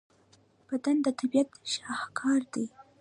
بدن د طبیعت شاهکار دی.